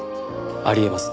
あり得ます。